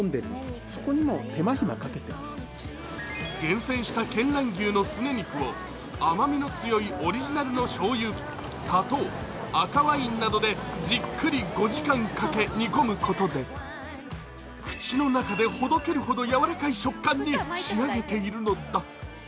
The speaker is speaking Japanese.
厳選した見蘭牛のすね肉を甘みの強いオリジナルのしょうゆ、砂糖、赤ワインなどでじっくり５時間かけ煮込むことで口の中でほどけるほど柔らかい食感に仕上げているのだ。